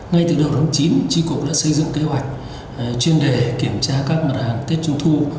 ngay từ đầu tháng chín tri cục đã xây dựng kế hoạch chuyên đề kiểm tra các mặt hàng tết trung thu